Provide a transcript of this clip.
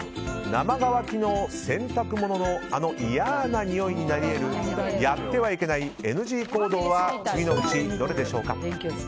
生乾きの洗濯物のあの嫌なにおいになり得るやってはいけないＮＧ行動は次のうち、どれでしょうか？